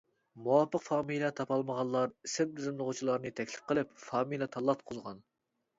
مۇۋاپىق فامىلە تاپالمىغانلار ئىسىم تىزىملىغۇچىلارنى تەكلىپ قىلىپ، فامىلە تاللاتقۇزغان.